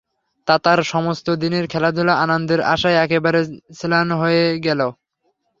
তাতার সমস্ত দিনের খেলাধুলা আনন্দের আশা একেবারে ম্লান হইয়া গেল।